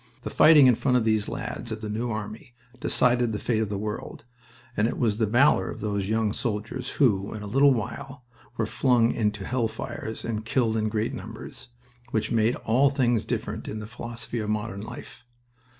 The fighting in front of these lads of the New Army decided the fate of the world, and it was the valor of those young soldiers who, in a little while, were flung into hell fires and killed in great numbers, which made all things different in the philosophy of modern life.